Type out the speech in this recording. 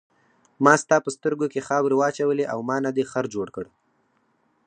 ما ستا په سترګو کې خاورې واچولې او ما نه دې خر جوړ کړ.